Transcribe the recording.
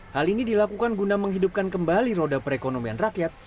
hal ini dilakukan guna menghidupkan kembali roda perekonomian rakyat